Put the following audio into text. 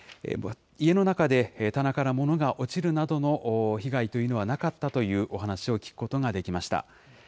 家の中で棚からものが落ちるなどの被害というのはなかったというお話を聞くことができました。